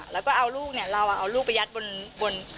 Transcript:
แล้วก็เอาลูกเนี่ยเราเอาลูกไปยัดบน